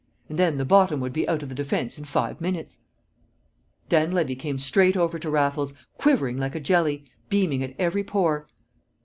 And then the bottom would be out of the defence in five minutes!" Dan Levy came straight over to Raffles quivering like a jelly beaming at every pore.